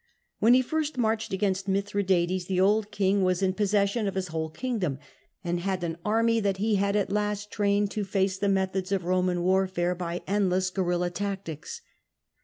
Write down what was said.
When he first marched against Mithradates, the old king was in posses MITHRADATES EXPELLED FROM ASIA 257 sion of his whole kingdom, and had an army that he had at last trained to face the methods of Roman warfare by endless guerilla tactics.